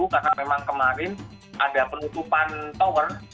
karena memang kemarin ada penutupan tower